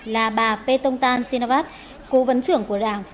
là bà petong tan sinovat cố vấn trưởng của đảng